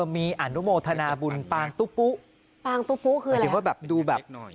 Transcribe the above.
เออมีอนุโมทหนะบุลปางตูปุปางตูปุคืออะไรหมายถึงว่าแบบดูแบบ